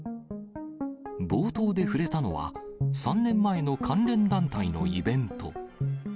冒頭で触れたのは、３年前の関連団体のイベント。